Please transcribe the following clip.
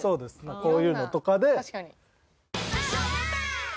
こういうのとかで。